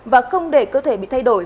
và không để cơ thể bị thay đổi